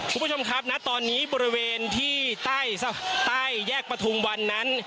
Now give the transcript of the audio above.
คุณผู้ชมครับณตอนนี้บริเวณที่ใต้แยกประทุมวันนั้น